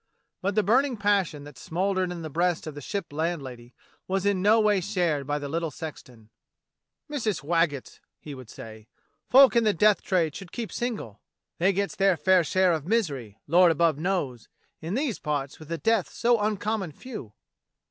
But the burning passion that smouldered in the breast of the Ship landlady was in no way shared by the little sexton. "Missus Waggetts," he would say, *'folk in the death trade should keep single; they gets their fair share of misery, Lord above knows, in these parts with the deaths so uncommon few."